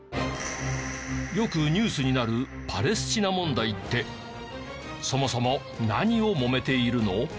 よくニュースになるパレスチナ問題ってそもそも何をもめているの？